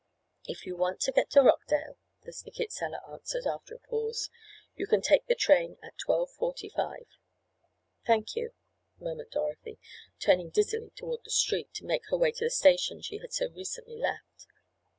"If you want to get to Rockdale," the ticket seller answered after a pause, "you can take the train at twelve forty five." "Thank you," murmured Dorothy, turning dizzily toward the street to make her way to the station she had so recently left.